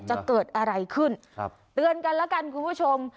จะเกิดอะไรขึ้นเตือนกันแล้วกันคุณผู้ชม